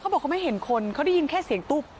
บอกเขาไม่เห็นคนเขาได้ยินแค่เสียงตุ๊บ